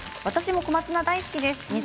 私も小松菜大好きです。